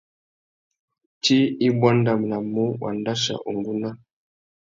Tsi i buandanamú wandachia ungúná.